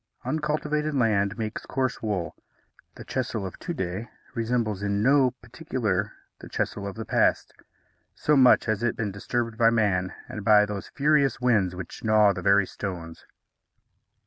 Uncultivated land makes coarse wool. The Chesil of to day resembles in no particular the Chesil of the past, so much has it been disturbed by man and by those furious winds which gnaw the very stones.